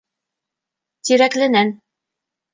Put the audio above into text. Тирәкленән.